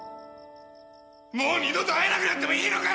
もう二度と会えなくなってもいいのかよ！？